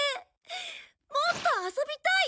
もっと遊びたい！